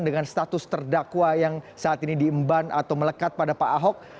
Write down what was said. dengan status terdakwa yang saat ini diemban atau melekat pada pak ahok